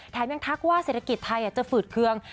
ยังทักว่าเศรษฐกิจไทยจะฝืดเคือง